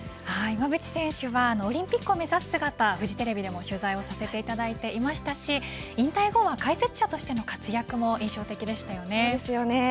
馬渕選手は、オリンピックを目指す姿、フジテレビでも取材をさせていただいていましたし引退後は解説者としても活躍が印象的でしたよね。